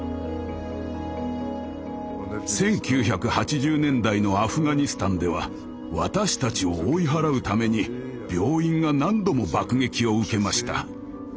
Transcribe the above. １９８０年代のアフガニスタンでは私たちを追い払うために病院が何度も爆撃を受けました。